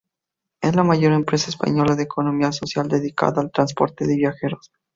Es la mayor empresa española de economía social dedicada al transporte de viajeros.